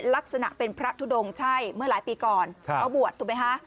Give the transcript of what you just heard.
ลักษณะเป็นพระทุดงใช่เมื่อหลายปีก่อนเขาบวชถูกไหมคะ